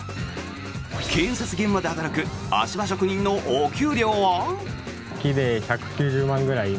建設現場で働く足場職人のお給料は？